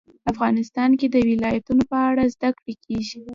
افغانستان کې د ولایتونو په اړه زده کړه کېږي.